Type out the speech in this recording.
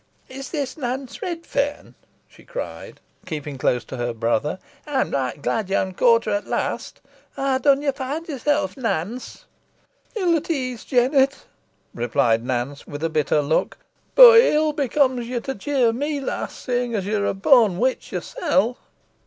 "Is this Nance Redferne?" she cried, keeping close to her brother, "Ey'm glad yo'n caught her at last. How dun ye find yersel, Nance?" "Ill at ease, Jennet," replied Nance, with a bitter look; "boh it ill becomes ye to jeer me, lass, seein' yo're a born witch yoursel."